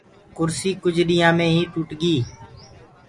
ڪُرسيٚ ڪجھُ ڏيآ مي هي ٽوٽ گئي۔